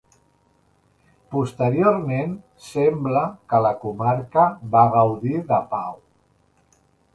Posteriorment sembla que la comarca va gaudir de pau.